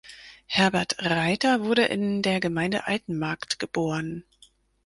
Herbert Reiter wurde in der Gemeinde Altenmarkt geboren.